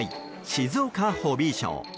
静岡ホビーショー。